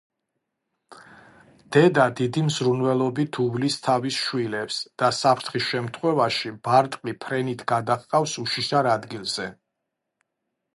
დედა დიდი მზრუნველობით უვლის თავის შვილებს და საფრთხის შემთხვევაში ბარტყი ფრენით გადაჰყავს უშიშარ ადგილზე.